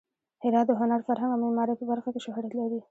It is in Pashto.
هرات د هنر، فرهنګ او معمارۍ په برخه کې شهرت لري.